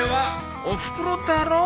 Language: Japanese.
おふくろだろ？